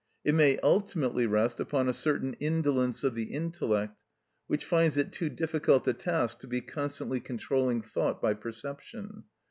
It may ultimately rest upon a certain indolence of the intellect, which finds it too difficult a task to be constantly controlling thought by perception.